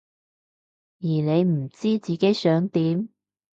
而你唔知自己想點？